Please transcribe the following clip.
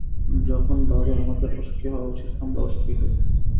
যখন ভাবে আমাদের অসুখী হওয়া উচিত, আমরা অসুখী হই।